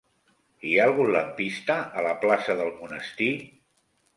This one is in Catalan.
Hi ha algun lampista a la plaça del Monestir?